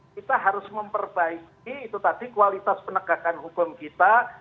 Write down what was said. kita harus memperbaiki kualitas penegakan hukum kita